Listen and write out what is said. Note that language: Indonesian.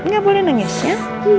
gak boleh nangis ya